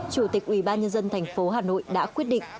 chủ tịch ủy ban nhân dân thành phố hà nội đã quyết định